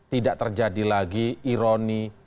tidak terjadi lagi ironi